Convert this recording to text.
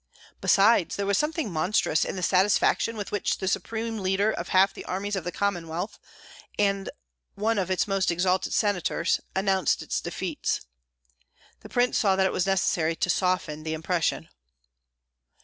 Besides, there was something monstrous in the satisfaction with which the supreme leader of half the armies of the Commonwealth, and one of its most exalted senators, announced its defeats. The prince saw that it was necessary to soften the impression.